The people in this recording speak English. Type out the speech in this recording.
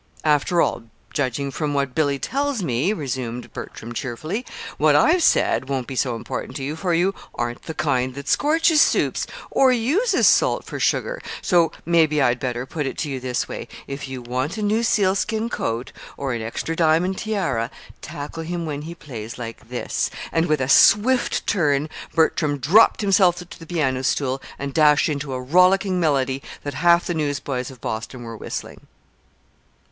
"After all, judging from what Billy tells me," resumed Bertram, cheerfully, "what I've said won't be so important to you, for you aren't the kind that scorches soups or uses salt for sugar. So maybe I'd better put it to you this way: if you want a new sealskin coat or an extra diamond tiara, tackle him when he plays like this!" And with a swift turn Bertram dropped himself to the piano stool and dashed into a rollicking melody that half the newsboys of Boston were whistling.